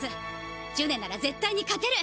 ジュネならぜったいに勝てる！